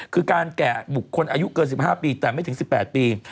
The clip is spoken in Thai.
คือการแก่บุคคลอายุเกิน๑๕ปีแต่ไม่ถึง๑๘ปี